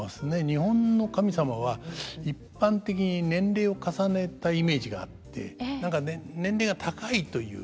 日本の神様は一般的に年齢を重ねたイメージがあって何か年齢が高いという。